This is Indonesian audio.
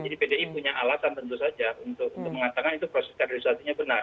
jadi pdi punya alatan tentu saja untuk mengatakan itu proses kaderisasi nya benar